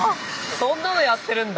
そんなのやってるんだ。